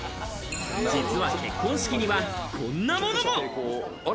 実は結婚式には、こんなものも。